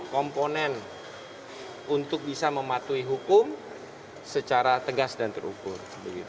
komponen untuk bisa mematuhi hukum secara tegas dan terukur